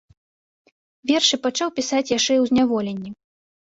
Вершы пачаў пісаць яшчэ ў зняволенні.